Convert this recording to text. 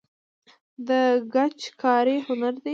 د ګچ کاري هنر دی